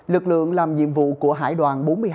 lực lượng làm nhiệm vụ của hải đoàn bốn mươi hai